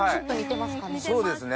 そうですね。